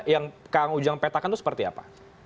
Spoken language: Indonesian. yang kang ujang petakan itu seperti apa